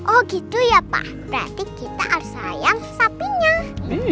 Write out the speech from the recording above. oh gitu ya pak berarti kita harus sayang sapinya